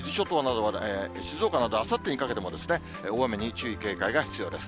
静岡などは、あさってにかけても大雨に注意、警戒が必要です。